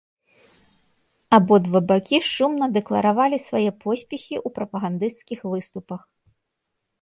Абодва бакі шумна дэкларавалі свае поспехі ў прапагандысцкіх выступах.